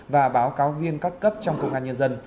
và báo cáo viên các cấp trong công an nhân dân